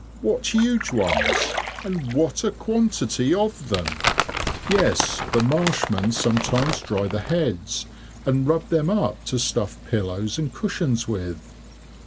"What huge ones, and what a quantity of them!" "Yes, the marshmen sometimes dry the heads, and rub them up to stuff pillows and cushions with."